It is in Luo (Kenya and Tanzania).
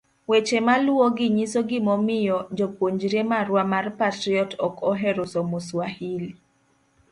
Weche maluwogi nyiso gimomiyo jopuonjre marwa mar Patriot ok ohero somo Swahili.